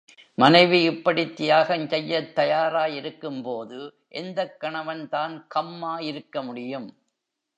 மனைவி இப்படித் தியாகம் செய்யத் தயாரா இருக்கும்போது எந்தக் கணவன்தான் கம்மா இருக்க முடியும்?